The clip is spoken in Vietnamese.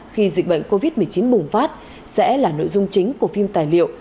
khi dịch bệnh covid một mươi chín bùng phát sẽ là nội dung chính của phim tài liệu